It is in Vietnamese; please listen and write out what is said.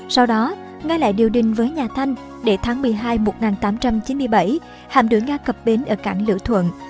sau đó ngay lại điều đình với nhà thanh để tháng một mươi hai một nghìn tám trăm chín mươi bảy hạm đội nga cập bến ở cảng lữ thuận